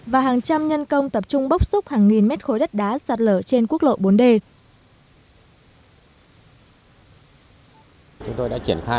và hàng trăm nhân công tập trung bốc xúc hàng nghìn mét khối đất đá sạt lở trên quốc lộ bốn d